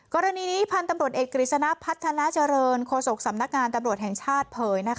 กรณีนี้พันธ์ตำรวจเอกกิลิสนาพพัทธานาจริงโคศกสำนักงานตำรวจแห่งชาติ